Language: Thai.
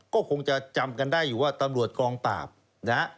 ก็คงจะจำกันได้อยู่ว่าตำรวจกองปราบนะฮะ